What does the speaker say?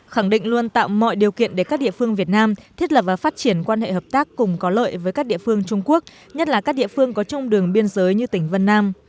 khẳng định luôn tạo mọi điều kiện để các địa phương việt nam thiết lập và phát triển quan hệ hợp tác cùng có lợi với các địa phương trung quốc nhất là các địa phương có chung đường biên giới như tỉnh vân nam